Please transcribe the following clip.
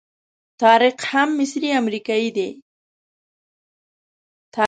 طارق هم مصری امریکایي دی.